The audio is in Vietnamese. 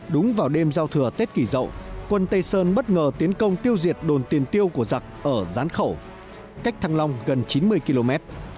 đúng vào đêm giao thừa tết kỳ rậu quân tây sơn bất ngờ tiến công tiêu diệt đồn tiền tiêu của giặc ở gián khẩu cách thăng long gần chín mươi km